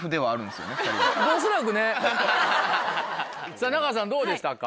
さぁ仲さんどうでしたか？